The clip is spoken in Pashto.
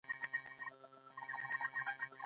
آیا د سپیو ساتل د رمې د ساتنې لپاره نه وي؟